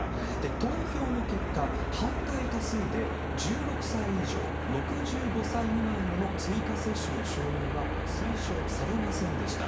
投票の結果、反対多数で１６歳以上、６５歳未満への追加接種の承認は推奨されませんでした。